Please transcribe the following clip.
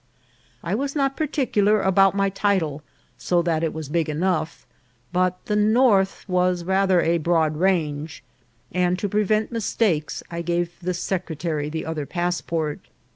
I was not particular about my title so that it was big enough, but the North was rather a broad range, and to prevent mistakes I gave the secretary the other passport.